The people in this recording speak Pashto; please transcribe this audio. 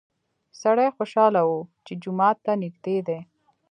سړی خوشحاله و چې جومات ته نږدې دی.